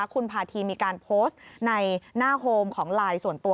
คุณพาธีมีการโพสต์ในหน้าโฮมของไลน์ส่วนตัว